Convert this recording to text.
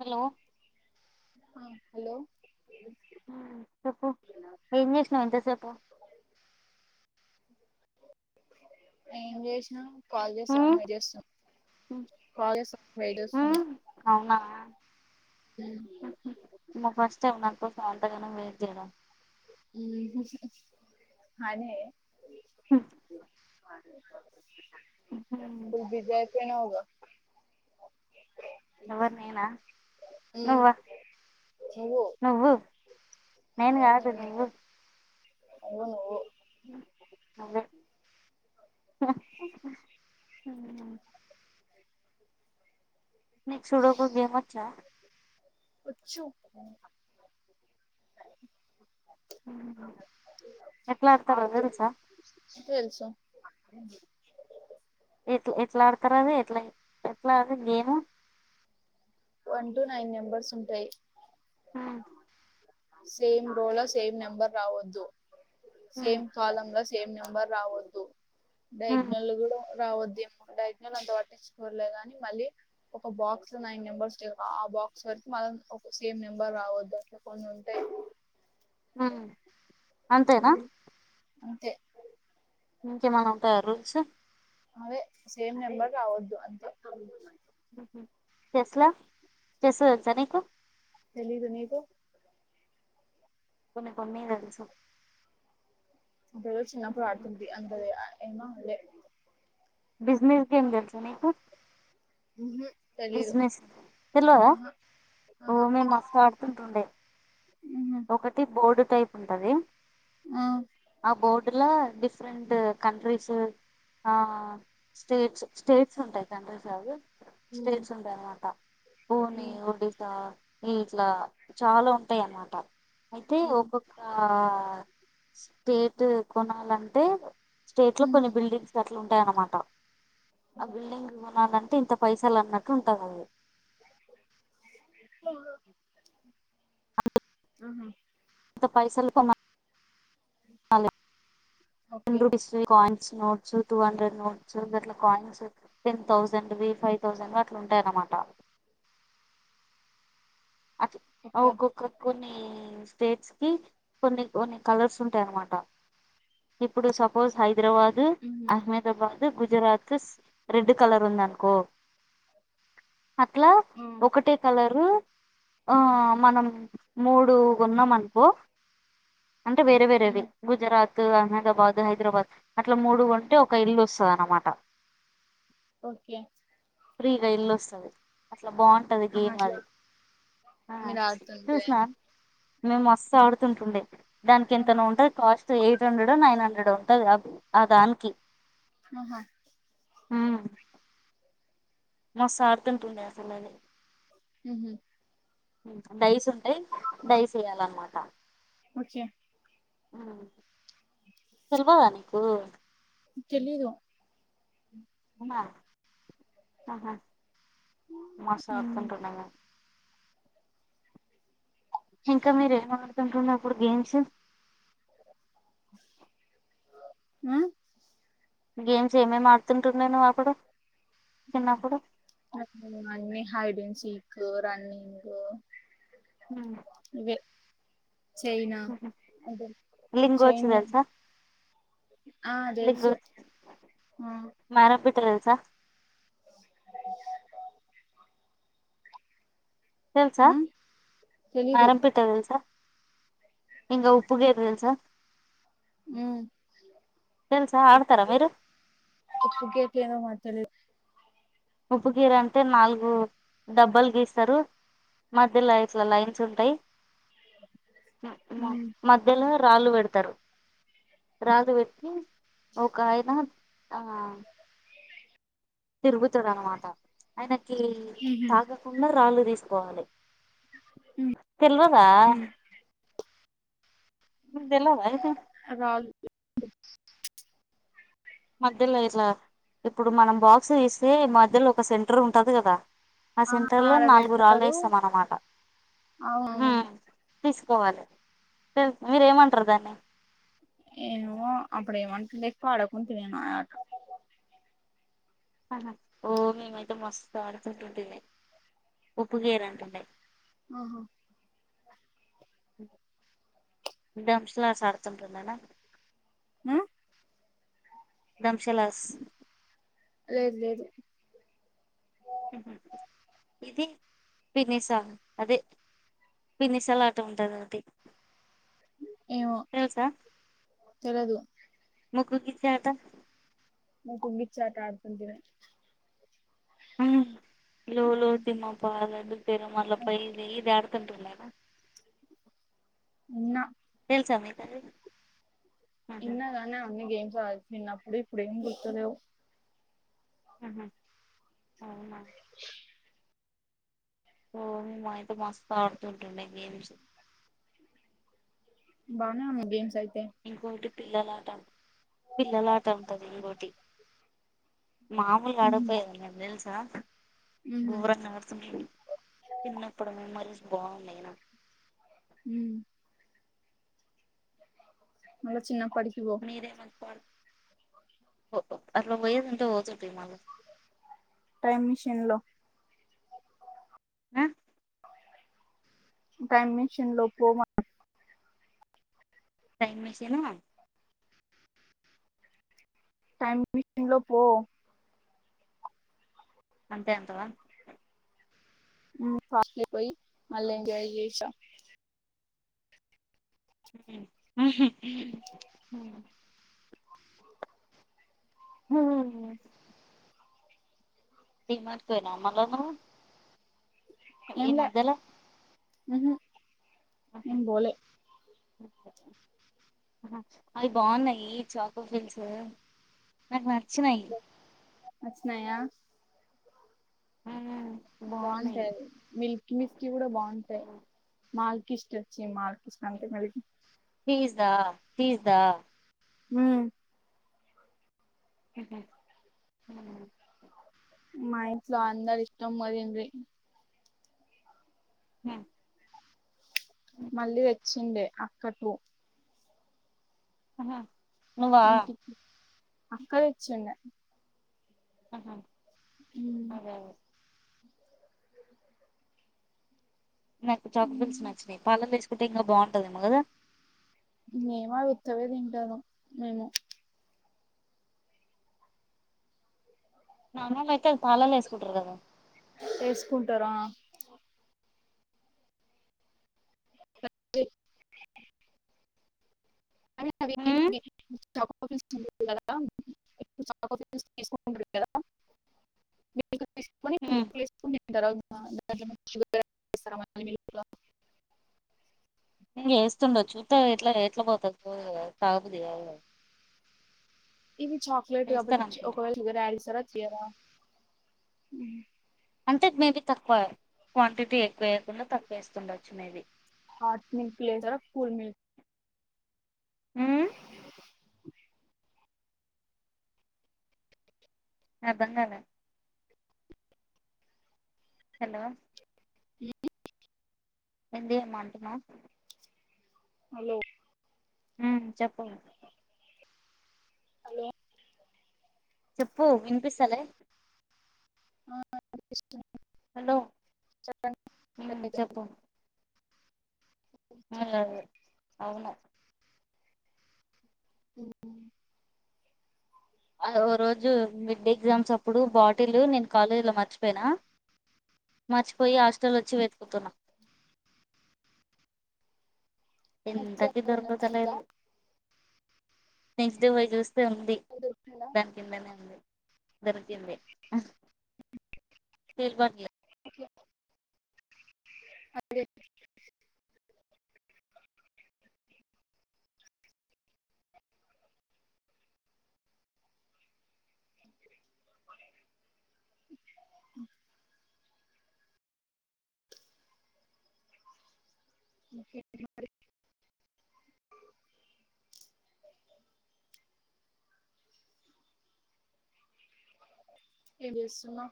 hello hello చెప్పు ఏం చేసినావు ఇంతసేపు ఎం చేశ్నవ్ కాలజవన్ వైజస్ కాన్ వైజస్ ఆ మా ఫస్ట్ ఏమ నాకు సొంతగానే వే జ అనే అ విజయ తనావుగా ఎవరి నేనా ఉమ్ నువ్వా నువ్వు నువ్వు నేను కాదు నువ్వు అవును అదే ఆ సూడకు గేమ వచ్చ ఉచ్చు ఎట్లా అడతారో ఆడుతూ తెలుసా తెలుసు ఎట్ ఎట్లా ఆడతారు అది ఎట్లా ఎట్లా ఆడదు game one to nine members ఉంటాయి హ సేమ్ రోల్ సేమ్ నెంబర్ రావద్దు సేమ్ కాలంగ సేమ్ నంబర్ రావదు డైగ్నల్ కూడా రావదు నైట్ అంత పట్టించుకోర్లేదుగాని మళ్ళీ ఒక బాక్స్ లో నైన్ మెంబర్స్ ఆ బాక్స్ వరకు మనం ఒక సేమ్ నెంబర్ రావద్దు అట్లా కొన్ని ఉంటాయి అంతేనా అంతే ఇంకేమనా ఉవుంటయ రూల్స్ అవే సేమ్ నెంబర్ రావద్దు అంత ఎట్లా చేస్ తెల్సా నికు తెలీదు నీకు కొన్ని కొన్ని అప్పుడ చిన్నప్పుడు ఆడుతుంది అంద ఎమ ఉళ బిజినెస్కి ఏం తెలుసా నీకు ఉమ్ హ్ బిజినెస్ తెల్వద ఆహా ఓ మే మస్త్ ఆడుతుంటుండే ఉహు ఒకటి బోర్డు టైప్ ఉంటది ఆ ఆ బోడ్ ఇలా డిఫరెంట్ కంట్రిస్ స్టేట్స్ స్టేట్స్ ఉంటాయి సంతోషారు ఉమ్ స్టేట్స్ ఉంటాయ అన్నమాట పూణ ఉమ్ ఒడిసా ఇట్లా చాలా ఉంటాయి అన్నమాట అయితే ఒక్కొక్క స స్టేట్ కొనాలని అంటే స్టేట్ లో ఉమ్ ఉమ్ కొన్ని బిల్డింగ్స్ అట్లా ఉంటాయి ఆన్నమాట, ఆ బిల్డింగ్ కొనాలంటే ఇంత పైసలు అన్నట్టు ఉంటుంది అది ఆహా అంత పైసలు కొ [unintelligible] okay notes two hundred notes అట్ల కాయిన్స్ టెన్ థౌసండ్వి ఫైవ్ థౌసండ్ అట్లా ఉంటాయ అన్నమాట అ ఓకే ఒక ఒకక స్టేట్స్ కి కొన్ని కొన్ని కాలర్స్ ఉంటాయి అనమాట ఇప్పుడు సపోజ్ హైదరాబాద్ ఉహు అహ్మదాబాద్ గుజరాత్ రెడ్ కలర్ ఉందనుకో అట్లా ఆ ఒకటే కలర్ రు ఆ మనం మూడు కొన్నాం అనుకో అంటే వేరే వేరేవి ఉమ్ గుజరాత్ త్ అహ్మదాబాద్ హైదరాబాద్ అట్లా మూడు కొంటే ఒక ఇల్లు వస్తది అనమాట ఓకే ఫ్రీగా ఇల్లొస్తది ట్లా బావుంటాది ఆహా గేమ్ అట్లా అది ఆ మీరు ఆడుతుంటే చూసినాం మేము మస్తు ఆడుతుంటుండే దానికి ఆహా ఎంతనో ఉంటది కాస్ట్ ఎయిట్ హండ్రెడో నైన్ హన్ ఈడొత్తది గాకు ఆ దానికి ఆహా ఊమ్ మా సార్ తింటుండే అసలది ఊహూ డైస్ ఉంటాయి డైస్ ఎయ్యాలన్నమాట ఓకే ఆ తెల్వదా నీకు ఓ తెలీదు ఔనా ఆహా మస్తు ఉమ్ ఆడుతుంటుండేన ఇంకా మీరేమ్ ఆడు తింటున్నప్పుడు గేమ్స్ మ్మ్ గేమ్స్ ఏమేమి ఆడుతుంటున్నావ్ అపుడు [inaudible] హాయ్ [unintelligible] చిక్కు రన్నింగ్ హూ ఇవే చైనా లింగోచ్చు చైనా తెలుసా ఆ తెలుసు లింగోచ్చు ఆ మారంపిట్ట తెలుసా తెలుసా ఆ తెలీదు మారంపిట్ట తెలుసా ఇంకా ఉప్పుగేరు తెలుసా మ్ తెలుసా ఆడతారా మీరు ఉప్పు [unintelligible] ఉప్పు గీర అంటే నాలుగు డబ్బాలు గీస్తరు మధ్యలో ఇట్లా లైన్స్ ఉంటయ్ మ మ మధ్యలో రాళ్లు తరు రాల్లు వెట్టి ఓకాయనా ఆ తిరుగుతడు అనమాట ఆయన కి తాకకుండా రాల్లు తీసుకోవాలి తెల్వదా మీకు దెల్వదా అయితే రాళ్ళు మధ్యలో ఇట్లా ఇప్పుడు మనం బాక్స్ తీస్తే మధ్యలో ఒక సెంటర్ ఉంటాది కదా ఆ సెంటర్ లో ఆడ నాలుగు పెడతారు రాల్లేస్తాం అన్నమాట అవును హ్మ్మ్ తీస్ పోవాలె తెల్స్ మీరేమంటరు దాన్ని ఏమో అప్పుడేమంటుడె ఎక్కు అడక్కుంటి నేను ఓ మేమైతే మస్తు ఆడుతుంటుంటిమి ఉప్పు గేరు అంటుండే ఆహా దంస్ లాడ్స్ ఆడుతుంటుండెనా ఆ ధంశలాస్ లేదు లేదు ఇది పినిస అదే పినిస లాట ఉంటుంద అండి ఏమో తెలదు ముక్కు గిచ్చే ఆట ముక్కుగిచ్చే ఆట ఆడుతుంటిమి మ్ లో లో తిమా పరాదు రు మళ్ల పోయిది [unintelligible] కంటలవా ఉన్నా సమేతంగా ఇన్నగానా అనగె [unintelligible] నిన్న అప్పుడు ఇప్పుడు ఏం గుర్తులేవు ఆహ అవునా ఒ మాయితే మస్త ఆడుతూంటండే గేమ్స్ బానే ఉన్నాయి గేమ్స్ అయ్ ఇంకొకటి పిల్లల ఆట పిల్లల ఆట ఉంటది ఇంకోటి మామూలుగాడ పోయద తెల్సా ఉహు గూరంగాడుతుంట చిన్నప్పుడమే మెమో బావుండు ఐనా హుమ్ మల్లోచిన్నా మీరేనా స్క్వాడ్ ఓ ఒ అట్ల పోయేది అంత ఒ జె టి నా టైమ్ మిషన్ లో ఆ టైమ్ మిషన్ లోపు మ టైమ్ మిషన్ ను టైం మిషన్ లో పో అంతే అంతవా కా పోయి మలే ఎంజాయ్ చేసి రా ఉహ్మ్ హ్మ్ డీమార్టు పొయినవ మల్లా నువ్వు ఈ మద్దల ఉహ్మ్ ఏం పోలే అవి బాగున్నాయి చాకో ఫిల్స్ ఉహ్మ్ వచ్చినయా ఉమ్ బాగుంటాయిది మిల్క్ మిస్ట్ కూడా బాగుంటాయి మాల్ కిష్టచ్చి మాల్ ఫీజ్ దా ఫీజ్ దా హ్మ్ మా ఇంట్లో అందరి ఇష్టం మరిన్రి హ్మ్ మళ్ళీ తెచ్చిండే అక్కకు ఉహ్మ్ ఎంత అక్క తెచ్చిండె ఆహా ఉమ్ నాకు చాకోఫిల్స్ నచ్చినాయి పాలల్లొ వేసుకుంటే ఇంకా బాగుంటాదేమో కదా మేమ ఉత్తవే తింటారు మేము నా నుమెట్ పాలల్లొ వేసుకుంటారు కదా వేసుకుంటారా [inaudible] ద్వి అవి ఏం చెప్ప చాకోఫిల్స్ తీసుకున్న కదా [inaudible] షుగర్ [inaudible] ఇ వేస్తుండ చూస్తా ఉత్తవి ఎట్లా రేట్లు పోతుంది తగుది కదా ఇవి చాక్లెట్ వేస్తారు కాబట్టి అనుకున్నా ఒకవేళ షుగర్ యాడిస్తారా జ్యమా అంటే మేబీ తక్కువ క్వాంటిటీ ఎక్కువ వేయకుండా తక్కువ వేస్తుండొచ్చు మేబీ హాట్ మిక్స్ చేసరా కూల్ మి హుమ్ అర్ధం కాల హలో హు ఏంది ఏమ్ అంటున్నావ్ హలో ఆ చెప్పు హలో చెప్పు వినిపిస్తలే ఆ [inaudible] హలో మ్ చెప్పు ఏమ్ లేదు అవును అవునా ఒకరోజు మిడ్డే ఎగ్జామ్స్ అప్పుడు బాటిలు నేను కాలేజీ లో మర్చిపోయినా మర్చిపోయి హాస్టల్ తులోచ్చి వెతుకుతున్నా నెక్స్ట్ డే ఎంతకి ఉందా ఉందా దొరుకుతలేదు నెక్స్ట్డే పోయ్ చుస్ తుంది దాని కిందనే ఉంది దొరికింది [unintelligible] బండ్లు ఓకే [inaudible] మ్ ఇంకే [inaudible] ఇదుసున